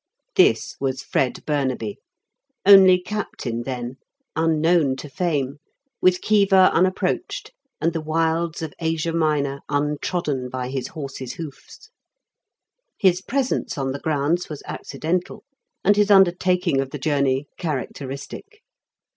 This was Fred Burnaby, only Captain then, unknown to fame, with Khiva unapproached, and the wilds of Asia Minor untrodden by his horse's hoofs. His presence on the grounds was accidental, and his undertaking of the journey characteristic.